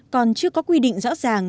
còn chưa có quy định rõ ràng